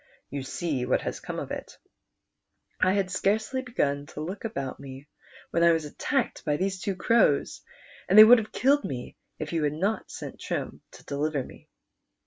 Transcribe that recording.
You see what has come of it. I had scarcely begun to look about me when I was attacked b\' these two crows, and they would ha\ e killed me if you had not sent Trim to deliver me."